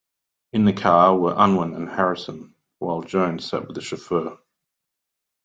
In the car were Unwin and Harrison, while Jones sat with the chauffeur.